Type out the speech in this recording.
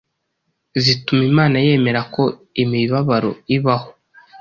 zituma Imana yemera ko imibabaro ibaho,